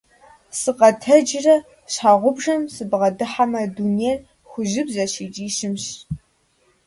Сыкъэтэджрэ щхьэгъубжэм сыбгъэдыхьэмэ, дунейр хужьыбзэщ икӀи щымщ.